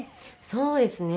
そうですね。